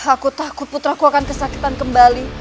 aku takut putraku akan kesakitan kembali